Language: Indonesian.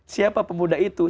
siapa pemuda itu